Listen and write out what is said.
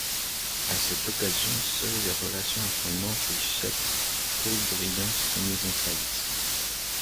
À cette occasion, seules les relations entre Nantes et Châteaubriant sont mises en service.